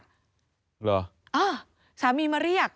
เหรออ้าวสามีมาเรียก